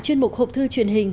chuyên mục hộp thư truyền hình